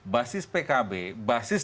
basis pkb basis